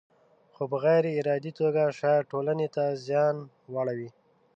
خو په غیر ارادي توګه شاید ټولنې ته زیان واړوي.